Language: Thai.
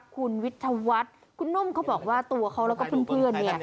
คุณวิทยาวัฒน์คุณนุ่มเขาบอกว่าตัวเขาแล้วก็เพื่อนเนี่ย